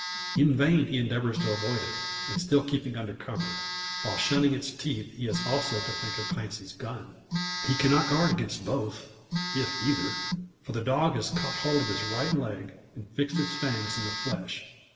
In vain he endeavours to avoid it, and still keep under cover. While shunning its teeth, he has also to think of Clancy's gun. He cannot guard against both, if either. For the dog has caught hold of his right leg, and fixed its fangs in the flesh.